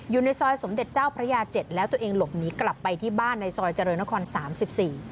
อยู่ในซอยสมเด็จเจ้าพระยาเจ็ดแล้วตัวเองหลบหนีกลับไปที่บ้านในซอยเจริญนครสามสิบสี่